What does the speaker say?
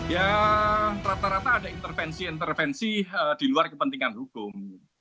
ya rata rata ada intervensi intervensi di luar kepentingan hukum